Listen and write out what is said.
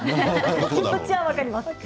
気持ちは分かります。